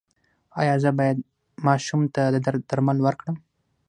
ایا زه باید ماشوم ته د درد درمل ورکړم؟